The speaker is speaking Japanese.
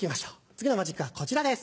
次のマジックはこちらです。